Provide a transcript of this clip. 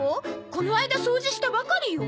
この間掃除したばかりよ。